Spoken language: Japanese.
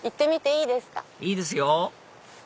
いいですよ！